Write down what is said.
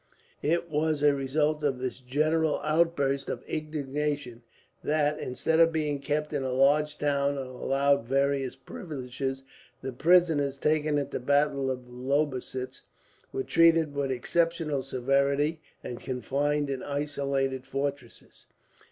It was a result of this general outburst of indignation that, instead of being kept in a large town and allowed various privileges, the prisoners taken at the battle of Lobositz were treated with exceptional severity, and confined in isolated fortresses.